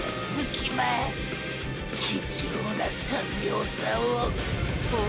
貴重な３秒差をホゥ